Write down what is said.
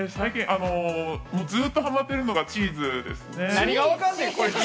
ずっとハマってるのがチーズですね。